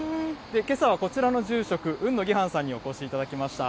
けさはこちらの住職、海野義範さんにお越しいただきました。